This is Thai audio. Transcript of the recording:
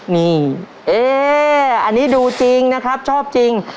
นี่เอ๊อันนี้ดูจริงนะครับชอบจริง